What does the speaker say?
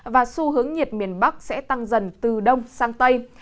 và xu hướng nhiệt miền bắc sẽ tăng dần từ đông sang tây